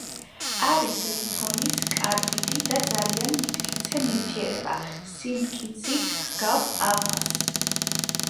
არის ლითონის კარბიდი და ძალიან მტკიცე ნივთიერება; სიმტკიცით ჰგავს ალმასს.